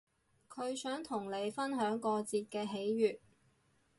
佢想同你分享過節嘅喜悅